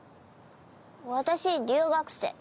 私留学生。